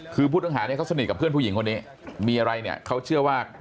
คือผู้ต้องหาเนี่ยเขาสนิทกับเพื่อนผู้หญิงคนนี้มีอะไรเนี่ยเขาเชื่อว่า